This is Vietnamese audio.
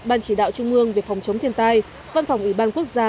ban chỉ đạo trung ương về phòng chống thiên tai văn phòng ủy ban quốc gia